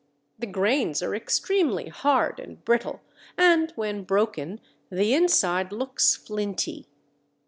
The grains are extremely hard and brittle, and when broken the inside looks flinty.